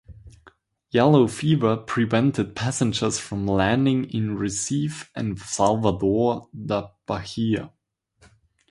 Yellow fever prevented passengers from landing in Recife and Salvador da Bahia.